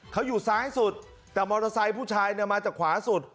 เขาอยู่ซ้ายสุดแต่มอเตอร์ไซค์ผู้ชายเนี่ยมาจากขวาสุด